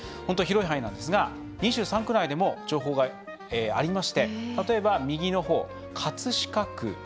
本当に広い範囲なんですが２３区内でも情報がありまして例えば、右のほう、葛飾区。